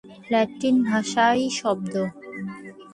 Latin ভাষায় শব্দ।